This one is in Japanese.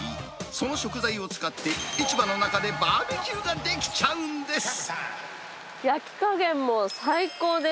その食材を使って、市場の中でバーベキューができちゃうんです。